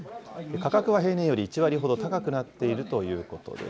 価格は平年より１割ほど高くなっているということです。